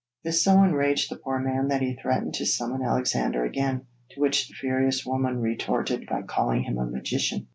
This so enraged the poor man that he threatened to summon Alexander again, to which the furious woman retorted by calling him a magician.